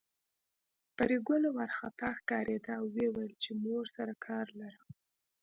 پري ګله وارخطا ښکارېده او ويل يې چې مور سره کار لرم